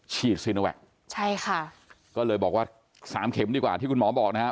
ซีโนแวคใช่ค่ะก็เลยบอกว่าสามเข็มดีกว่าที่คุณหมอบอกนะครับ